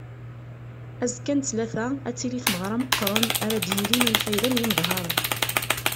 Azekka n ttlata ad tili tmeɣra meqqren ara d-yilin i lfayda n yimeḍharen.